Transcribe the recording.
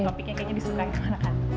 topiknya kayaknya disukai sama anak anak